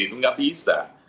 itu tidak bisa